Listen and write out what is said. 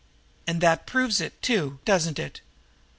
And that proves it, too, doesn't it?